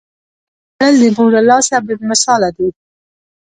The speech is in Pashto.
خوړل د مور له لاسه بې مثاله دي